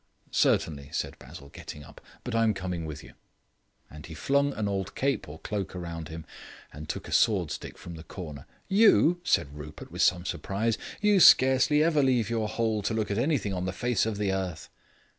"Certainly," said Basil, getting up. "But I am coming with you." And he flung an old cape or cloak round him, and took a sword stick from the corner. "You!" said Rupert, with some surprise, "you scarcely ever leave your hole to look at anything on the face of the earth."